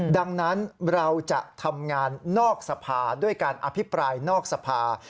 ดังนั้นเราจะทำงานนอกสภาด้วยการอภิปรายนอกสภา